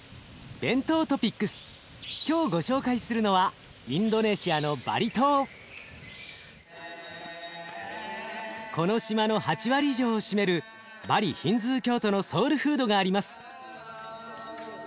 今日ご紹介するのはこの島の８割以上を占めるバリヒンズー教徒のソウルフードがあります。